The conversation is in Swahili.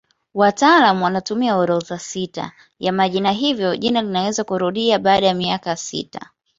Wataalamu wanatumia orodha sita ya majina hivyo jina linaweza kurudia baada ya miaka sita.